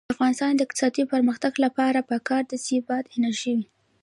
د افغانستان د اقتصادي پرمختګ لپاره پکار ده چې باد انرژي وي.